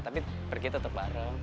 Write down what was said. tapi pergi tetap bareng